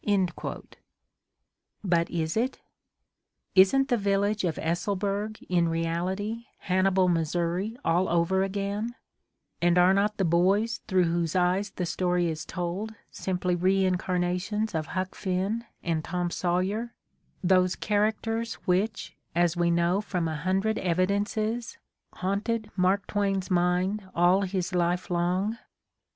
But is it? Isn't the village of Eselburg in reality Han nibal, Missouri, all over again, and are not the boys through whose eyes the story is told simply reincarna tions of Huck Finn and Tom Sawyer, those characters which, as we know from a hundred evidences, haunted Mark Twain's mind all his life long?